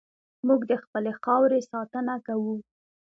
موږ د خپلې خاورې ساتنه کوو.